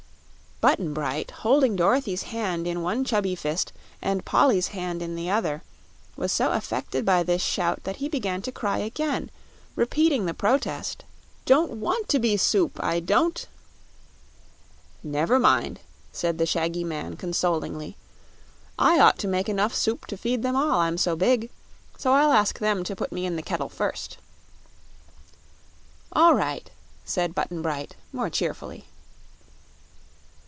Button Bright, holding Dorothy's hand in one chubby fist and Polly's hand in the other, was so affected by this shout that he began to cry again, repeating the protest: "Don't want to be soup, I don't!" "Never mind," said the shaggy man, consolingly; "I ought to make enough soup to feed them all, I'm so big; so I'll ask them to put me in the kettle first." "All right," said Button Bright, more cheerfully.